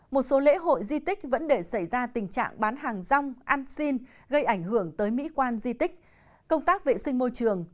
một số lễ hội di tích vẫn để xảy ra tình trạng bán hàng rong ăn xin gây ảnh hưởng tới mỹ quan di tích công tác vệ sinh môi trường